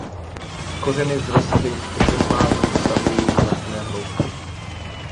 Kořeny vzrostlých exemplářů dosahují značné hloubky.